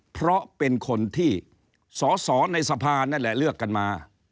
เพราะเป็นคนที่สอสอในสภานั่นแหละเลือกกันมา